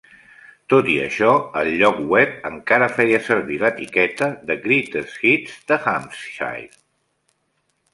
Tot i això, el lloc web encara feia servir l'etiqueta de Greatest Hits de Hampshire.